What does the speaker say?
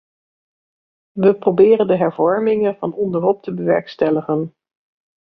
We proberen de hervormingen van onderop te bewerkstelligen.